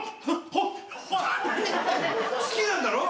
好きなんだろ？